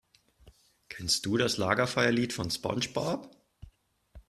Kennst du das Lagerfeuerlied von SpongeBob?